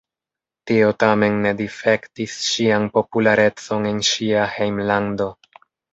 Tio tamen ne difektis ŝian popularecon en ŝia hejmlando.